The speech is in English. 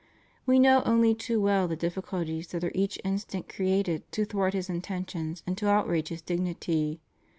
We know only too well the difficulties that are each instant created to thwart his intentions and to outrage his dignity.